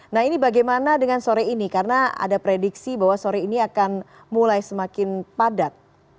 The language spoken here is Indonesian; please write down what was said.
nah ini bagaimana dengan sore ini karena ada prediksi bahwa sore ini akan mulai semakin padat